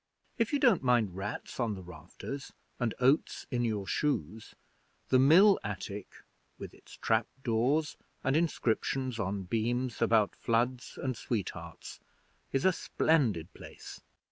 If you don't mind rats on the rafters and oats in your shoes, the mill attic, with its trap doors and inscriptions on beams about floods and sweethearts, is a splendid place.